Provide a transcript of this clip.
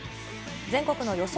全国の予想